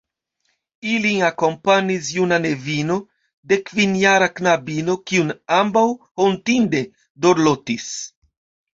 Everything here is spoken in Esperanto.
Ilin akompanis juna nevino, dekkvinjara knabino, kiun ambaŭ hontinde dorlotis.